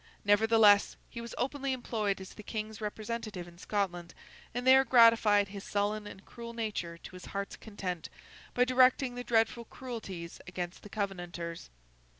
Nevertheless, he was openly employed as the King's representative in Scotland, and there gratified his sullen and cruel nature to his heart's content by directing the dreadful cruelties against the Covenanters.